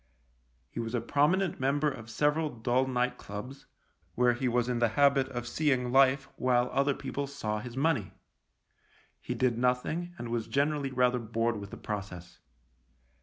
He was a prominent member of several dull night clubs, where he was in the habit of seeing life while other people saw his money. He did nothing and was generally rather bored with the process.